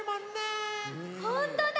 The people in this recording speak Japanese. ほんとだ！